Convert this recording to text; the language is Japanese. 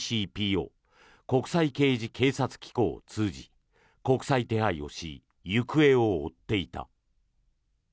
ＩＣＰＯ・国際刑事警察機構を通じ国際手配をし行方を追っていた。